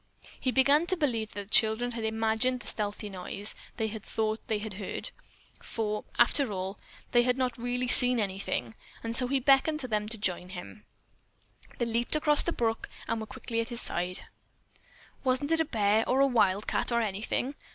He began to believe that the children had imagined the stealthy noise they thought they had heard, for, after all, they had not really seen anything, and so he beckoned them to join him. They leaped across the brook and were quickly at his side. "Wasn't it a bear, or a wildcat, or anything?"